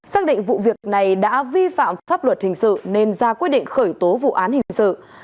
xác định vụ việc này đã vi phạm pháp luật hình sự nên ra quyết định khởi tố vụ án hình sự